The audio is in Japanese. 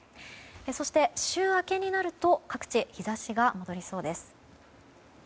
そして週明けになると各地、日差しが戻りそうです。